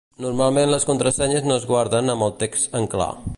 Normalment les contrasenyes no es guarden amb el text en clar.